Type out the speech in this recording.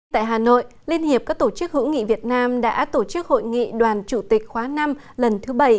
tại hà nội liên hiệp các tổ chức hữu nghị việt nam đã tổ chức hội nghị đoàn chủ tịch khóa năm lần thứ bảy